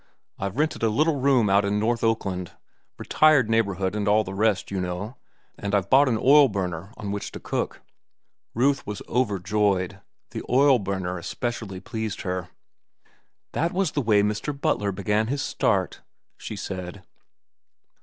I've rented a little room out in North Oakland, retired neighborhood and all the rest, you know, and I've bought an oil burner on which to cook." Ruth was overjoyed. The oil burner especially pleased her. "That was the way Mr. Butler began his start," she said.